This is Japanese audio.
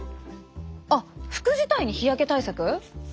あっ服自体に日焼け対策？